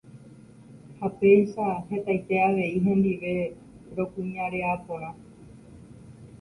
ha péicha hetaite avei hendive rokuñarea porã.